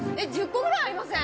１０個ぐらいありません？